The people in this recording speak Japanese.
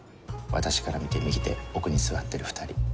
私から見て右手奥に座ってる２人。